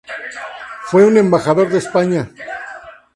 Fue un Embajador de España.